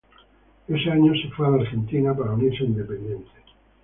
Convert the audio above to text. Ese año se fue a la Argentina para unirse a Independiente.